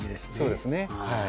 そうですね。